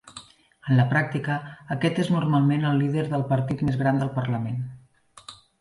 En la pràctica, aquest és normalment el líder del partit més gran del Parlament.